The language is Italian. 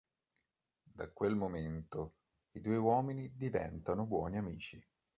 Da quel momento, i due uomini diventano buoni amici.